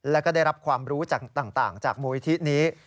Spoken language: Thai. แล้วก็ได้รับความรู้ต่างจากมูลนิธินี้